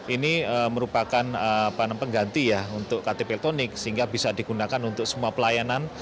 ini merupakan pengganti ya untuk ktp elektronik sehingga bisa digunakan untuk semua pelayanan